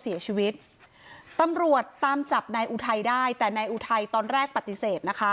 เสียชีวิตตำรวจตามจับนายอุทัยได้แต่นายอุทัยตอนแรกปฏิเสธนะคะ